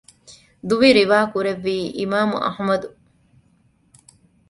ދުވި ރިވާކުރެއްވީ އިމާމު އަޙްމަދު